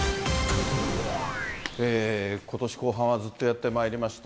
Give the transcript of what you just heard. ことし後半はずっとやってまいりました。